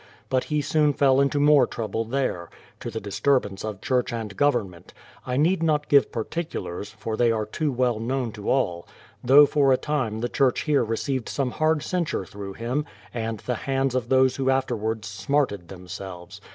But he soon fell into more trouble there, to the disturbance of church and government : I need not give particulars, for they are too well known to all; though for a time the church here received some hard censure through him, and at the hands of those who afterwards smarted themselves.